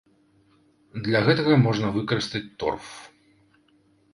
Для гэтага можна выкарыстаць торф.